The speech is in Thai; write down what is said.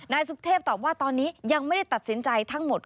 นายสุเทพตอบว่าตอนนี้ยังไม่ได้ตัดสินใจทั้งหมด